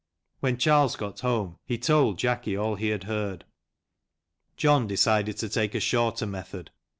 When Charles got home he told Jacky all he had heard. John decided to take a shorter method.